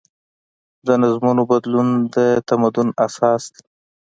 د نظمونو بدلون د تمدن اساس دی.